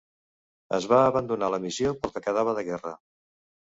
Es va abandonar la missió pel que quedava de guerra.